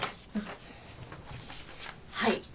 はい。